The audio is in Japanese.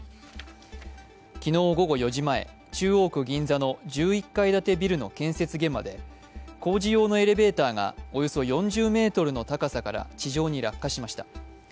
昨日午後４時前中央区銀座の１１階建てビルの建設現場で工事用のエレベーターがおよそ４０ｍの高さから地上に落下しました。